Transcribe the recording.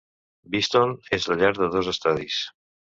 Beeston és la llar de dos estadis.